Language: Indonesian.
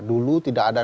dulu tidak ada